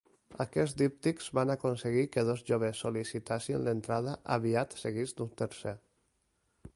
Aquests díptics van aconseguir que dos joves sol·licitassin l'entrada, aviat seguits d'un tercer.